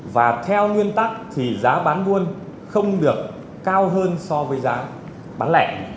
và theo nguyên tắc thì giá bán buôn không được cao hơn so với giá bán lẻ